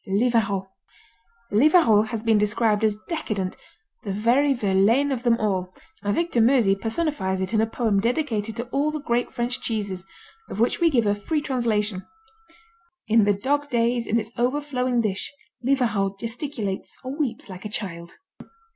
Livarot Livarot has been described as decadent, "The very Verlaine of them all," and Victor Meusy personifies it in a poem dedicated to all the great French cheeses, of which we give a free translation: In the dog days In its overflowing dish Livarot gesticulates Or weeps like a child.